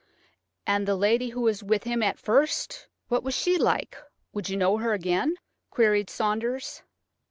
"And the lady who was with him at first, what was she like? Would you know her again?" queried Saunders.